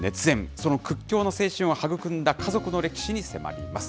その屈強の精神を育んだ家族の歴史に迫ります。